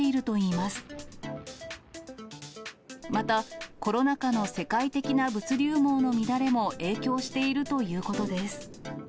またコロナ禍の世界的な物流網の乱れも影響しているということです。